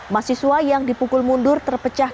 mahasiswa yang dipukul mundur terpecah